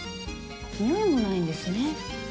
においもないんですね。